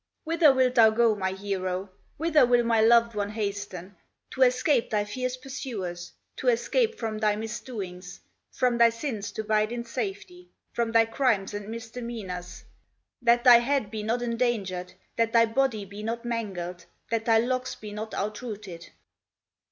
Whither wilt thou go, my hero, Whither will my loved one hasten, To escape thy fierce pursuers, To escape from thy misdoings, From thy sins to hide in safety, From thy crimes and misdemeanors, That thy head be not endangered, That thy body be not mangled, That thy locks be not outrooted?"